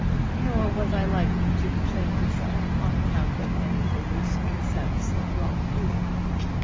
Nor was I likely to betray myself on account of any illusory sense of wrongdoing.